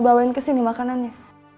bisa bawa kesini makanannya